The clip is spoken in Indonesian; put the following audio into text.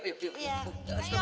aduh aduh aduh babe